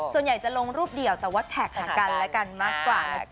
ส่วนใหญ่จะลงรูปเดียวแต่ว่าแท็กของกันและกันมากกว่านะจ๊